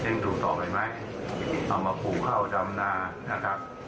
เลี่ยงดูต่อไปไหมเอามาผูกเข้าดำหนานะครับ